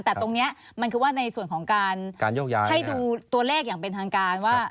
แต่ตรงนี้มันคือว่าในส่วนของการโยกย้ายให้ดูตัวเลขอย่างเป็นทางการว่า